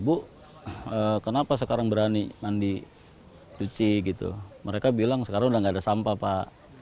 bu kenapa sekarang berani mandi cuci gitu mereka bilang sekarang udah gak ada sampah pak